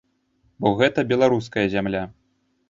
Бо гэта беларуская зямля.